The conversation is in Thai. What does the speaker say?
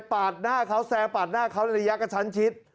ปาดหน้าเขาแซงปาดหน้าเขาในระยะกระชั้นชิด